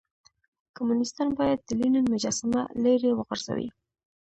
کمونيستان بايد د لينن مجسمه ليرې وغورځوئ.